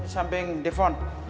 sampai yang depon